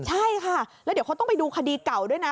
ใช่ค่ะแล้วเดี๋ยวเขาต้องไปดูคดีเก่าด้วยนะ